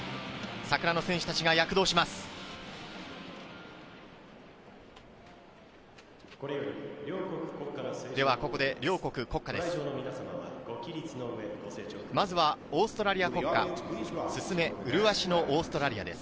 桜の戦士たちが躍動します。